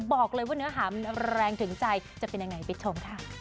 บอกเลยว่าเนื้อหามันแรงถึงใจจะเป็นยังไงไปชมค่ะ